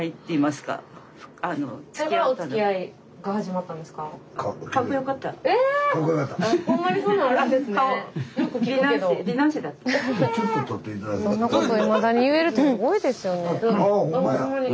スタジオそんなこといまだに言えるってすごいですよね。